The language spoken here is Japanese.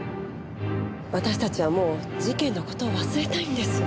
私たちはもう事件の事は忘れたいんです。